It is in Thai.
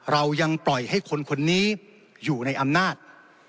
เรายังปล่อยให้คนคนนี้อยู่ในอำนาจ